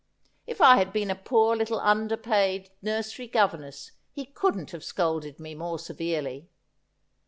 If I had been a poor little underpaid nursery governess he couldn't have scolded me more severely.